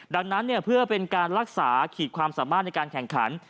ดังนั้นเพื่อเป็นการรักษาขีดความสามารถในการแข่งขัน